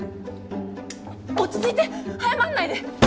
落ち着いて早まんないで！